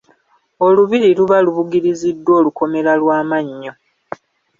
Olubiri luba lubugiriziddwa olukomera lw'amannyo.